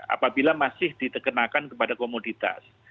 apabila masih dikenakan kepada komoditas